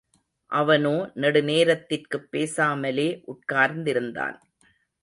அவனோ நெடுநேரத்திற்குப் பேசாமலே உட்கார்ந்திருந்தான்.